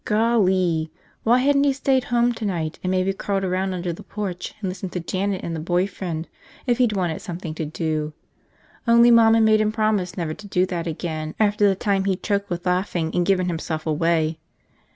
Gol lee, why hadn't he stayed home tonight and maybe crawled around under the porch and listened to Janet and the boy friend if he'd wanted something to do? Only Mom had made him promise never to do that again after the time he'd choked with laughing and given himself away.